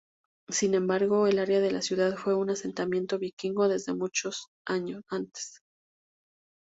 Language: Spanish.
Sin embargo, el área de la ciudad fue un asentamiento vikingo desde mucho antes.